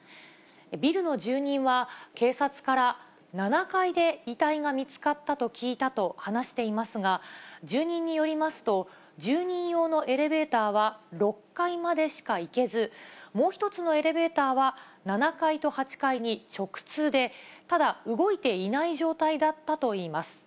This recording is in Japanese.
ビルの住人は、警察から７階で遺体が見つかったと聞いたと話していますが、住人によりますと、住人用のエレベーターは６階までしか行けず、もう１つのエレベーターは、７階と８階に直通で、ただ、動いていない状態だったといいます。